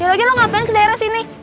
yalagi lu ngapain ke daerah sini